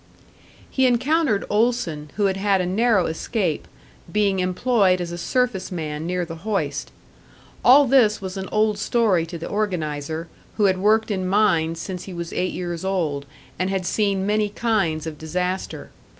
He encountered Olson, who had had a narrow escape, being employed as a surface man near the hoist. All this was an old story to the organiser, who had worked in mines since he was eight years old, and had seen many kinds of disaster.